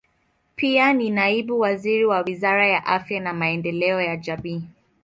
Pia ni naibu waziri wa Wizara ya Afya na Maendeleo ya Jamii.